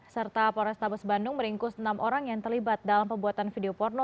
serta polrestabes bandung meringkus enam orang yang terlibat dalam pembuatan video porno